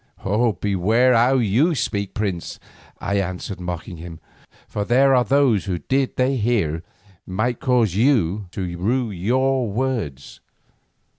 "Beware how you speak, prince," I answered mocking him, "for there are those who did they hear, might cause you to rue your words.